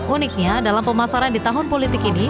uniknya dalam pemasaran di tahun politik ini